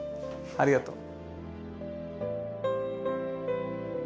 ありがとう。